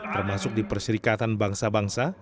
termasuk di perserikatan bangsa bangsa